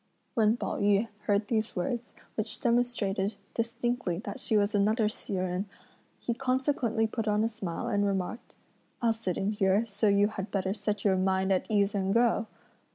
When Pao yü heard these words, which demonstrated distinctly that she was another Hsi Jen, he consequently put on a smile and remarked: "I'll sit in here, so you had better set your mind at ease and go!"